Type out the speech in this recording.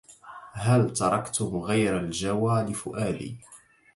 هل تركتم غير الجوى لفؤادي